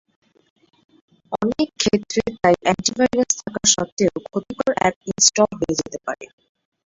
অনেক ক্ষেত্রে তাই অ্যান্টিভাইরাস থাকা সত্ত্বেও ক্ষতিকর অ্যাপ ইনস্টল হয়ে যেতে পারে।